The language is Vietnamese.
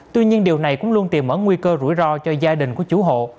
tuy nhiên điều này cũng luôn tìm mở nguy cơ rủi ro cho gia đình của chủ hộ